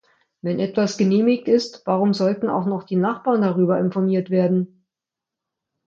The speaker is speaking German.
Wenn etwas genehmigt ist, warum sollten auch noch die Nachbarn darüber informiert werden?